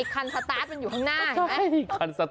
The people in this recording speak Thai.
คันสตาร์ทมันอยู่ข้างหน้า